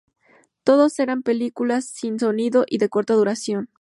Todas eran películas sin sonido y de corta duración.